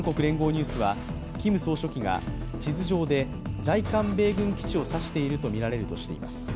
ニュースはキム総書記が地図上で在韓米軍基地を指しているとみられるとしています。